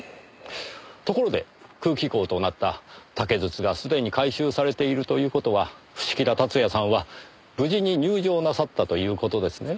ところで空気孔となった竹筒がすでに回収されているという事は伏木田辰也さんは無事に入定なさったという事ですね。